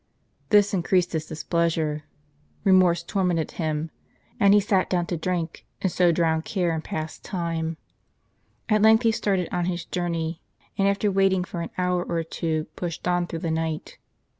This increased his displeasure; M remorse tormented him, and he sat down to drink, and so drown care and pass time. At length he started on his jour ney, and after baiting for an hour or two, pushed on through the night.